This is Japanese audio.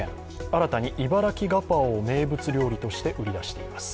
新たにいばらきガパオを名物料理として売り出しています。